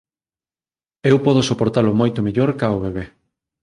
Eu podo soportalo moito mellor ca o bebé.